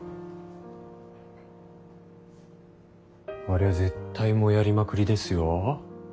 あれは絶対モヤりまくりですよ。